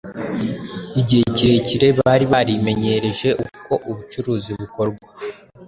Igihe kirekire bari barimenyereje uko ubucuruzi bukorwa,